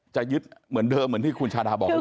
จะยึดเหมือนเดิมอย่างที่คุณชาดาบอกรึเปล่า